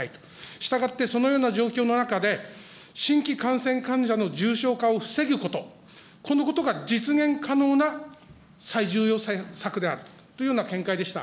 したがってそのような状況の中で、新規感染患者の重症化を防ぐこと、このことが実現可能な最重要策であるというような見解でした。